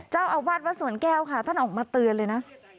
เจ้าอาวาสวัดสวนแก้วค่ะท่านออกมาเตือนเลยนะ